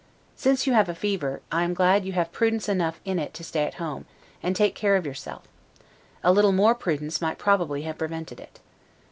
Since you have a fever, I am glad you have prudence enough in it to stay at home, and take care of yourself; a little more prudence might probably have prevented it.